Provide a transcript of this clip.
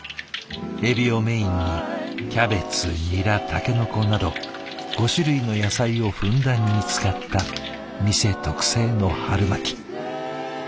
エビをメインにキャベツニラタケノコなど５種類の野菜をふんだんに使った店特製の春巻き。